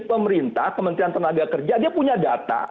pemerintah kementerian tenaga kerja dia punya data